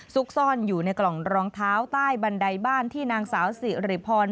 ซุกซ่อนอยู่ในกล่องรองเท้าใต้บันไดบ้านที่นางสาวสิริพร